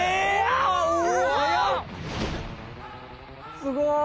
すごい。